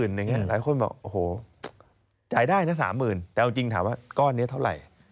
หลายคนบอกโอ้โหจ่ายได้นะ๓๐๐๐แต่เอาจริงถามว่าก้อนนี้เท่าไหร่